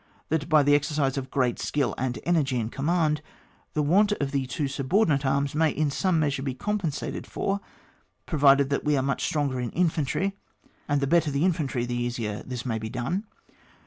That by the exercise of great skill and energy in command, the want of the two subordinate arms may in some measure be compensated for, provided that we are much stronger in infantry ; and the better the infantry the easier this may be done.